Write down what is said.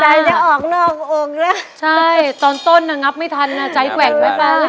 ใจจะออกนอกออกแล้วใช่ตอนต้นงับไม่ทันใจแกว่งไปป่ะ